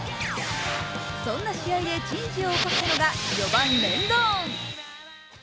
そんな試合で珍事を起こしたのが４番・レンドーン。